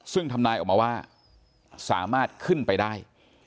ซึ่งทำนายออกมาว่าสามารถขึ้นไปได้